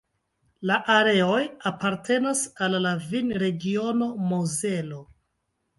La areoj apartenas al la vinregiono Mozelo.